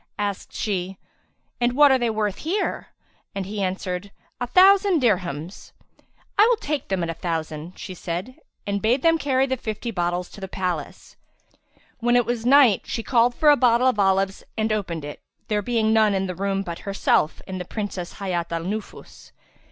Asked she, "And what are they worth here?" and he answered "A thousand dirhams." "I will take them at a thousand," she said and bade them carry the fifty bottles to the palace. When it was night, she called for a bottle of olives and opened it, there being none in the room but herself and the Princess Hayat al Nufus.